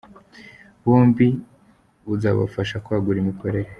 byombi buzafasha kwagura imikorere.